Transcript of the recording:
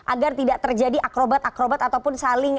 agar tidak terjadi akrobat akrobat ataupun saling